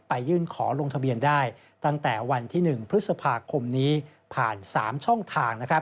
ยื่นขอลงทะเบียนได้ตั้งแต่วันที่๑พฤษภาคมนี้ผ่าน๓ช่องทาง